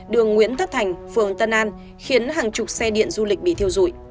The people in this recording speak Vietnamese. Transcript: đường nguyễn thất thành phường tân an khiến hàng chục xe điện du lịch bị thiêu rụi